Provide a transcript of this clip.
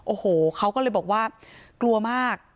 โอ้โหเขาก็เลยบอกว่ากลัวมาก